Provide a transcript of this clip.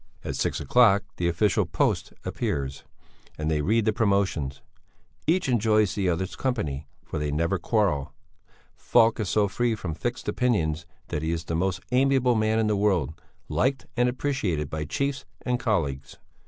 At six o'clock the official Post appears, and they read the promotions. Each enjoys the other's company, for they never quarrel. Falk is so free from fixed opinions that he is the most amiable man in the world, liked and appreciated by chiefs and colleagues.